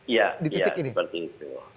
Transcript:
iya iya seperti itu